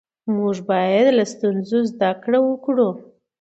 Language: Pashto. موږ باید له ستونزو زده کړه وکړو